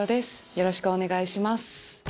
よろしくお願いします。